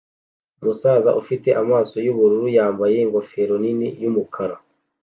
Umusaza ufite amaso yubururu yambaye ingofero nini yumukara